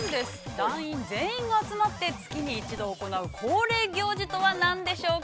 団員全員が集まって、月に一度、行う恒例行事とは何でしょうか。